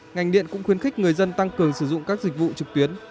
ngành điện cũng khuyến khích người dân tăng cường sử dụng các dịch vụ trực tuyến